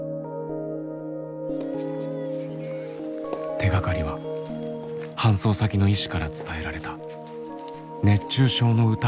手がかりは搬送先の医師から伝えられた熱中症の疑いもあるという言葉。